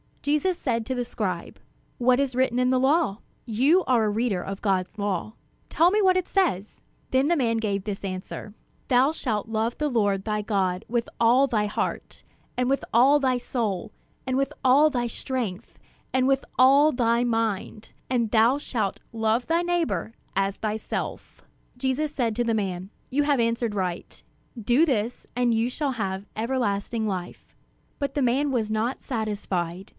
Jesus said to the scribe: "What is written in the law? You are a reader of God's law; tell me what it says." Then the man gave this answer: "Thou shalt love the Lord thy God with all thy heart, and with all thy soul, and with all thy strength, and with all thy mind; and thou shalt love thy neighbor as thyself." Jesus said to the man: "You have answered right; do this, and you shall have everlasting life." But the man was not satisfied.